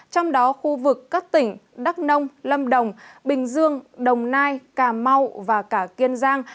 trong đó khu vực các tỉnh đắk nông lâm đồng bình dương đồng nai cà mau và cả kiên giang